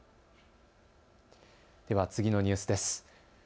では次のニュースです。